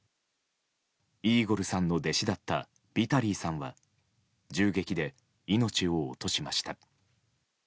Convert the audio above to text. イーゴルさんの弟子だったヴィタリーさんは銃撃で命を落としました。